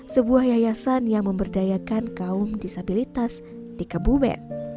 sebuah yayasan yang memberdayakan kaum disabilitas di kebumen